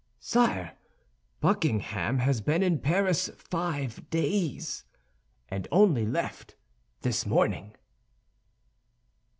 Sire, Buckingham has been in Paris five days, and only left this morning."